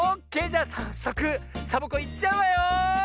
じゃさっそくサボ子いっちゃうわよ！